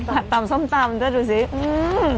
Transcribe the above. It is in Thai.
ผัดตำส้มตำก็ดูซิ